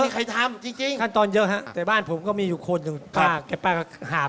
คุณสมจิตเคยกินปลากิมไหมครับ